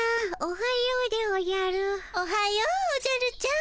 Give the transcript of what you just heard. おはようおじゃるちゃん。